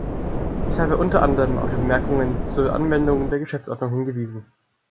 Ich habe unter anderem auf die Bemerkungen zur Anwendung der Geschäftsordnung hingewiesen.